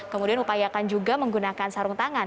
kemudian upayakan juga menggunakan sarung tangan